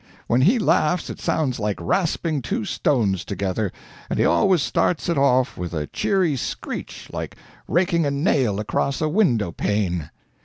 When he laughs it sounds like rasping two stones together, and he always starts it off with a cheery screech like raking a nail across a window pane.